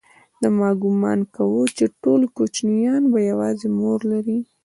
ما گومان کاوه چې ټول کوچنيان به يوازې مور لري.